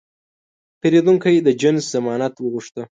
پیرودونکی د جنس ضمانت وغوښته.